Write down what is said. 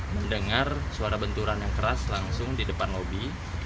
mendengar suara benturan yang keras langsung di depan lobi